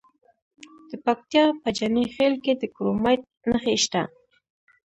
د پکتیا په جاني خیل کې د کرومایټ نښې شته.